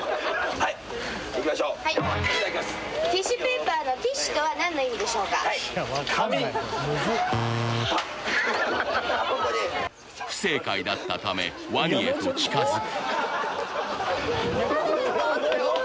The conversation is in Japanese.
はい・不正解だったためワニへと近づくいや怖っ！